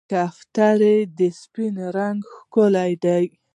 کوتره د سپین رنګ ښکلا ده.